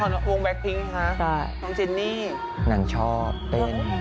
คนแบ็คพิ้งคะน้องเจนนี่นั่งชอบเต้น